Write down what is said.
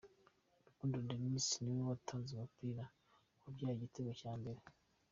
Rukundo Denis ni we watanze umupira wabyaye igitego cya mbere.